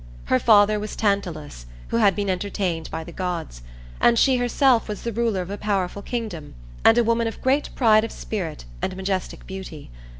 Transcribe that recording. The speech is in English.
Her father was Tantalus, who had been entertained by the gods; and she herself was the ruler of a powerful kingdom and a woman of great pride of spirit and majestic beauty.